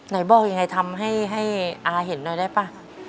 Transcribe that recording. ไหนบอกยังไงทำให้อาเห็นหน่อยได้ป่ะ